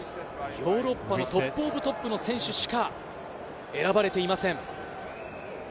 ヨーロッパのトップオブトップの選手しか選ばれていません。